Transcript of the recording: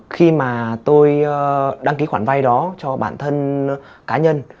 khi mà tôi đăng ký khoản vay đó cho bản thân cá nhân